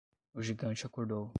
O gigante acordou